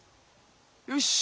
よし！